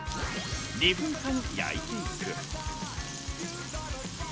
２分間焼いていく。